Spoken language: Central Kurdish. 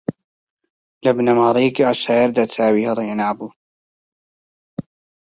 لە بنەماڵەیەکی عەشایەردا چاوی ھەڵھێنابوو